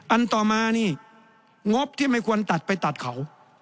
อันต่อมานี่งบที่ไม่ควรตัดไปตัดเขา